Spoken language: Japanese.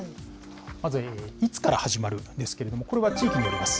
まずいつから始まるですけれども、これは地域によります。